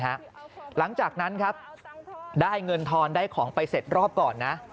หลังจากนั้นครับได้เงินทอนได้ของไปเสร็จรอบก่อนนะ